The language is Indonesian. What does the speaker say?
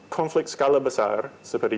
konflik skala besar seperti